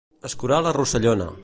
Escurar la rossellona.